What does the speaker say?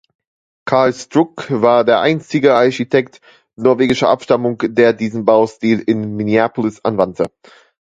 Carl Struck war der einzige Architekt norwegischer Abstammung, der diesen Baustil in Minneapolis anwandte.